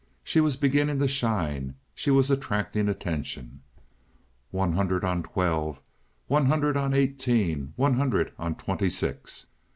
She was beginning to shine. She was attracting attention. "One hundred on twelve. One hundred on eighteen. One hundred on twenty six."